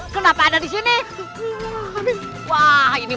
kenapa ada di sini